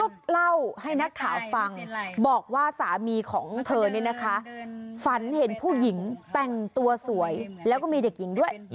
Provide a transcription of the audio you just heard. ก็เล่าให้นักข่าวฟังบอกว่าสามีของเธอเนี่ยนะคะฝันเห็นผู้หญิงแต่งตัวสวยแล้วก็มีเด็กหญิงด้วย